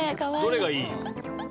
どれがいい？